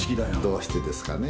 どうしてですかね？